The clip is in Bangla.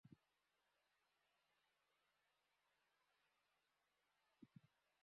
চলতি অর্থবছরে লক্ষ্যমাত্রা অনুযায়ী রাজস্ব আদায় হয়নি, নতুন বাজেটেও হবে না।